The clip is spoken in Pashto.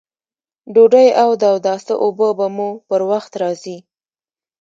ډوډۍ او د اوداسه اوبه به مو پر وخت راځي!